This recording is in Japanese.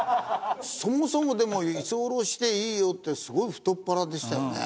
そもそもでも居候していいよってすごい太っ腹でしたよね。